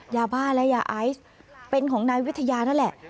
ยาบ้าและยาไอซ์เป็นของนายวิทยานั่นแหละ